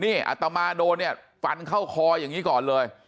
นี่อัตมาโดนเนี่ยฟันเข้าคออย่างนี้ก่อนเลย